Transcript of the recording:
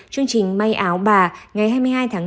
chương trình may áo bà ngày hai mươi hai tháng năm